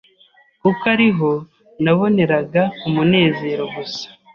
kuko ari ho naboneraga umunezero gusa